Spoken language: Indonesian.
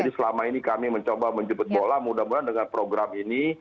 jadi selama ini kami mencoba menjepit bola mudah mudahan dengan program ini